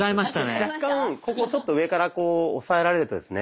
若干ここちょっと上から押さえられるとですね